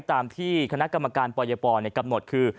ตามที่คณะกรรมการปยปกำหนดคือ